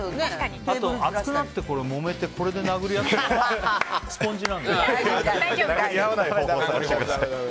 あと、熱くなってもめてこれで殴り合ってもスポンジだから大丈夫。